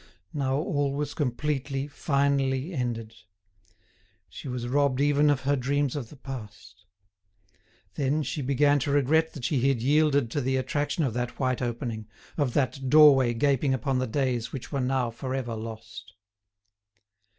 Now all was completely, finally ended. She was robbed even of her dreams of the past. Then she began to regret that she had yielded to the attraction of that white opening, of that doorway gaping upon the days which were now for ever lost.